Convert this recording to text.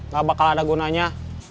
gak bakal ada gunanya